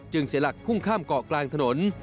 เสียหลักพุ่งข้ามเกาะกลางถนน